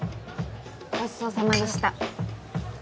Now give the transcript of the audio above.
ごちそうさまでした。